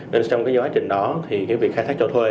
nên trong cái quá trình đó thì cái việc khai thác cho thuê